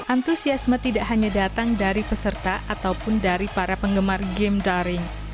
antusiasme tidak hanya datang dari peserta ataupun dari para penggemar game daring